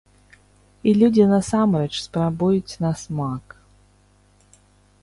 І людзі насамрэч спрабуюць на смак!